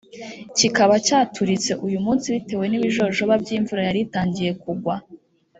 kikaba cyaturitse uyu munsi bitewe n’ibijojoba by’imvura yari itangiye kugwa